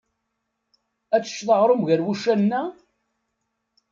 Ad teččeḍ aɣrum ger wuccanen-a?